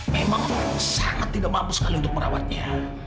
memang sangat tidak mampu sekali untuk merawatnya